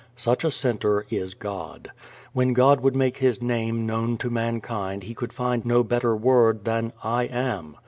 Such a center is God. When God would make His Name known to mankind He could find no better word than "I AM."